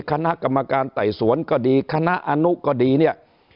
คณะกรรมการไต่สวนก็ดีคณะอนุก็ดีเนี่ย